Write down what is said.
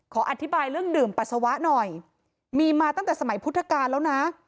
ขออธิบายเรื่องดื่มปัสสาวะหน่อยมีมาตั้งแต่สมัยพุทธกาลแล้วนะ